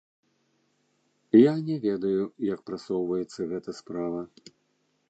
Я не ведаю, як прасоўваецца гэта справа.